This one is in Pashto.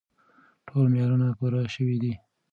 ټول معیارونه پوره شوي دي.